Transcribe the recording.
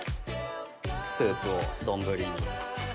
スープを丼に。